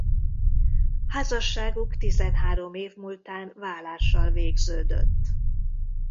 Házasságuk tizenhárom év múltán válással végződött.